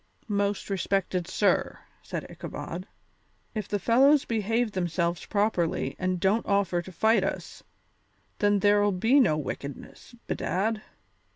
"Most respected sir," said Ichabod, "if the fellows behave themselves properly and don't offer to fight us, then there'll be no wickedness, bedad.